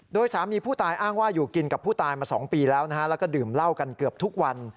โดยสามีผู้ตายอ้างว่าอยู่กินกับผู้ตายมา๒ปีแล้วนะฮะแล้วก็ดื่มเหล้ากันเกือบทุกวัน